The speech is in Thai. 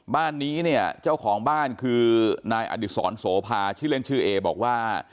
บ้านนี้เนี่ยเจ้าของบ้านคือนายอดิษรโสภาชื่อเล่นชื่อเอบอกว่า